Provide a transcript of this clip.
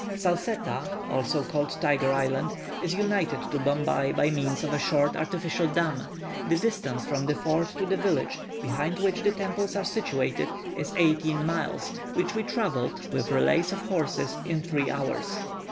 Salsetta (also called Tiger Island) is united to Bombay by means of a short artificial dam. The distance from the fort to the village, behind which the temples are situated, is eighteen miles, which we travelled, with relays of horses, in three hours.